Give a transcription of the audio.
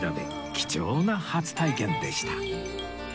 貴重な初体験でした